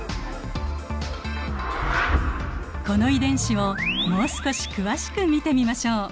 この遺伝子をもう少し詳しく見てみましょう。